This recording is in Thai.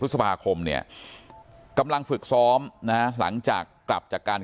สมาคมเนี่ยกำลังฝึกซ้อมนะหลังจากกลับจากการ